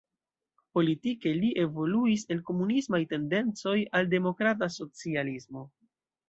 Politike li evoluis el komunismaj tendencoj al demokrata socialismo.